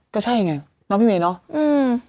ก็ใช่ไงเนาะพี่เมย์เนาะ